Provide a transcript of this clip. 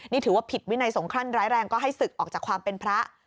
นี่ถือว่าผิดวินัยสงครั่นร้ายแรงก็ให้ศึกออกจากความเป็นพระ